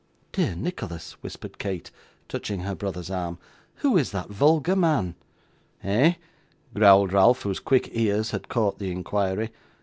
'Dear Nicholas,' whispered Kate, touching her brother's arm, 'who is that vulgar man?' 'Eh!' growled Ralph, whose quick ears had caught the inquiry.